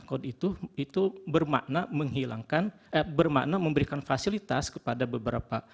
angkut itu bermakna menghilangkan bermakna memberikan fasilitas kepada beberapa